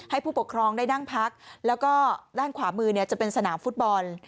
ผู้ปกครองได้นั่งพักแล้วก็ด้านขวามือเนี่ยจะเป็นสนามฟุตบอล